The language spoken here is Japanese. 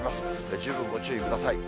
十分、ご注意ください。